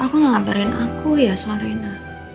mas aku gak ngabarin aku ya soal rena